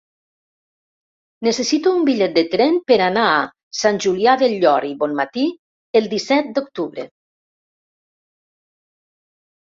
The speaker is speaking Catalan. Necessito un bitllet de tren per anar a Sant Julià del Llor i Bonmatí el disset d'octubre.